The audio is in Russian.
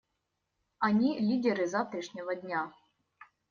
Они — лидеры завтрашнего дня.